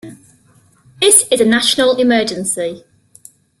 This is a national emergency.